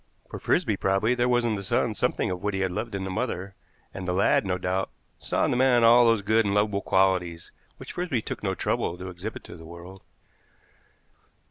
For Frisby probably there was in the son something of what he had loved in the mother; and the lad, no doubt, saw in the man all those good and lovable qualities which Frisby took no trouble to exhibit to the world.